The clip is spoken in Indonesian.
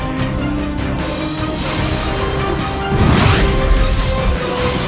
habib bagaimana keadaan ayah dan prabuku